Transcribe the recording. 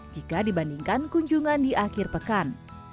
jika dibandingkan kunjungan di akhir pekan